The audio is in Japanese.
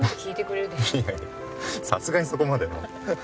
いやいやさすがにそこまでは。